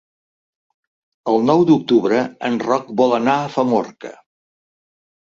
El nou d'octubre en Roc vol anar a Famorca.